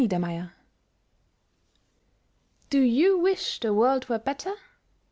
WISHING Do you wish the world were better?